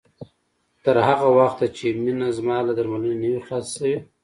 تر هغه وخته چې مينه زما له درملنې نه وي خلاصه شوې